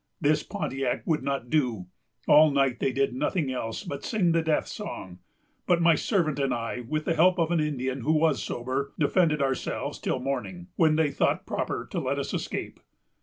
This Pontiac would not do. All night they did nothing else but sing the death song; but my servant and I, with the help of an Indian who was sober, defended ourselves till morning, when they thought proper to let us escape.